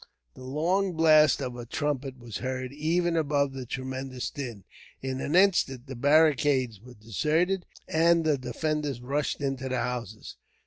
The long blast of a trumpet was heard even above the tremendous din. In an instant the barricades were deserted, and the defenders rushed into the houses.